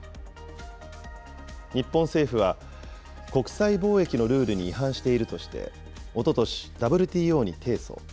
日本政府は、国際貿易のルールに違反しているとして、おととし、ＷＴＯに提訴。